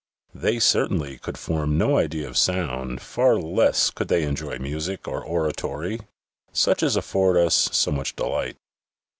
They certainly could form no idea of sound, far less could they enjoy music or oratory, such as afford us so much delight.